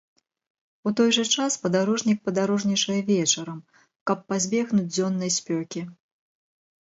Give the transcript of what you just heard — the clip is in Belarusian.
У той жа час падарожнік падарожнічае вечарам, каб пазбегнуць дзённай спёкі.